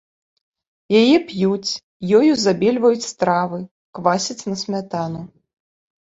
Яе п'юць, ёю забельваюць стравы, квасяць на смятану.